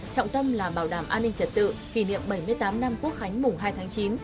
trọng tâm là bảo đảm an ninh trật tự kỷ niệm bảy mươi tám năm quốc khánh mùng hai tháng chín